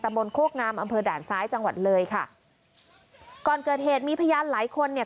บนโคกงามอำเภอด่านซ้ายจังหวัดเลยค่ะก่อนเกิดเหตุมีพยานหลายคนเนี่ย